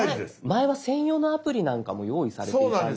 前は専用のアプリなんかも用意されていたんです。